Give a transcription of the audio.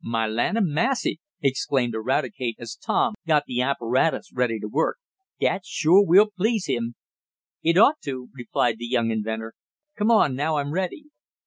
"Mah land a massy!" exclaimed Eradicate as Tom got the apparatus ready to work. "Dat shore will please him!" "It ought to," replied the young inventor. "Come on, now I'm ready."